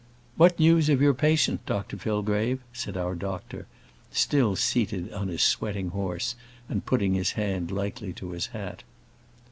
"What news of your patient, Dr Fillgrave?" said our doctor, still seated on his sweating horse, and putting his hand lightly to his hat.